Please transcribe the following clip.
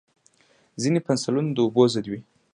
ځینې پنسلونه د اوبو ضد وي.